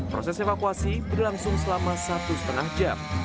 proses evakuasi berlangsung selama satu setengah jam